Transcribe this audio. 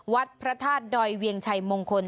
วัดพระธาตุดอยเวียงชัยมงคล